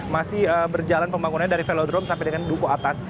masih berjalan pembangunannya dari velodrome sampai dengan duku atas